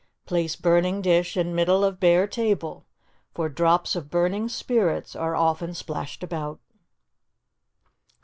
Place burning dish in middle of bare table, for drops of burning spirits are often splashed about.